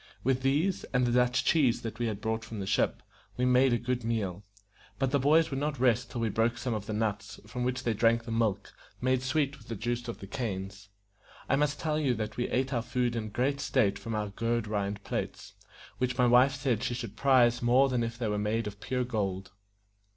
With these, and the Dutch cheese that we brought from the ship, we made a good meal; but the boys would not rest till we broke some of the nuts, from which they drank the milk, made sweet with the juice of the canes. I must tell you that we ate our food in great state from our gourd rind plates, which my wife said she should prize more than if they were made of pure gold.